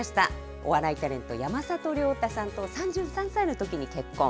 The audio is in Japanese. お笑いタレント、山里亮太さんと３３歳のときに結婚。